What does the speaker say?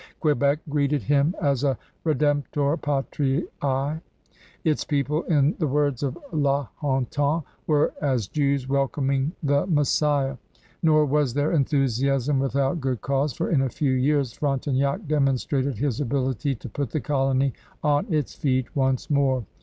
Quebec greeted him as a Redemptor Patriae; its people, in the words of La Hontan, were as Jews welcoming the Messiah. 7 98 CRUSADERS OF NEW FRANCE Nor was their enthusiasm without good cause, for in a few years Frontenac demonstrated his ability to put the colony on its feet once more.